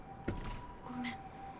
ごめん。